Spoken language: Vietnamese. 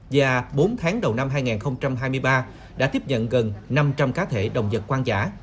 và bốn tháng đầu năm hai nghìn hai mươi ba đã tiếp nhận gần năm trăm linh cá thể động vật hoang dã